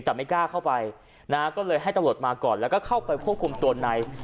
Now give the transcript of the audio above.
แต่ไม่กล้าเข้าไปนะฮะก็เลยให้ตำรวจมาก่อนแล้วก็เข้าไปควบคุมตัวใน